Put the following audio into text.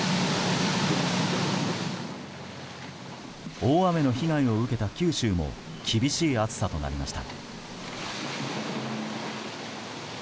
大雨の被害を受けた九州も厳しい暑さとなりました。